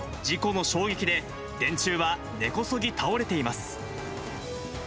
事故の衝撃で、電柱は根こそぎ倒れています。